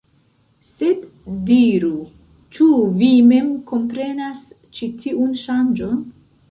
Sed diru, ĉu vi mem komprenas ĉi tiun ŝanĝon?